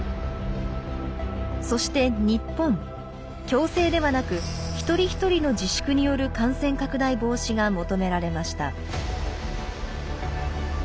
強制ではなく一人一人の自粛による感染拡大防止が求められました。